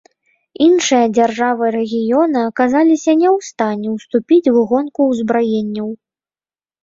Іншыя дзяржавы рэгіёна аказаліся не ў стане ўступіць у гонку ўзбраенняў.